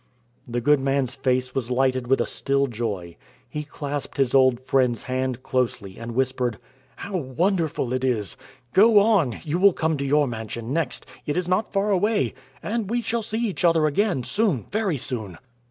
The good man's face was lighted with a still joy. He clasped his old friend's hand closely, and whispered: "How wonderful it is! Go on, you will come to your mansion next, it is not far away, and we shall see each other again soon, very soon."